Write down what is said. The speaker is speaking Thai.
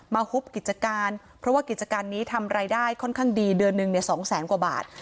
ฮุบกิจการเพราะว่ากิจการนี้ทำรายได้ค่อนข้างดีเดือนหนึ่งสองแสนกว่าบาท